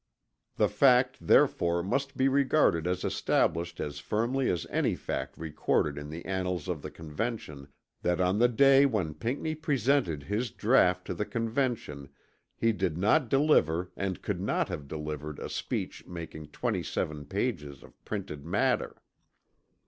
The fact therefor must be regarded as established as firmly as any fact recorded in the annals of the Convention that on the day when Pinckney presented his draught to the Convention he did not deliver and could not have delivered a speech making 27 pages of printed matter.